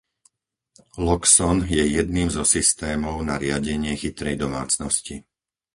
Loxone je jedným zo systémov na riadenie chytrej domácnosti.